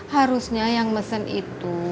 harusnya yang mesen itu